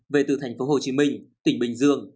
về từ thành phố hồ chí minh tỉnh bình dương